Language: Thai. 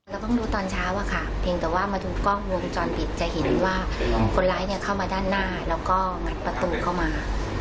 เราต้องดูตอนเช้าอะค่ะเพียงแต่ว่ามาดูกล้องวงจรปิดจะเห็นว่าคนร้ายเข้ามาด้านหน้าแล้วก็งัดประตูเข้ามา